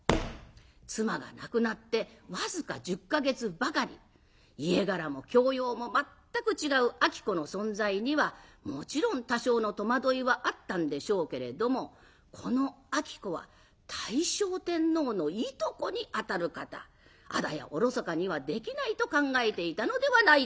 妻が亡くなって僅か１０か月ばかり家柄も教養も全く違う子の存在にはもちろん多少の戸惑いはあったんでしょうけれどもこの子は大正天皇のいとこにあたる方あだやおろそかにはできないと考えていたのではないでしょうか。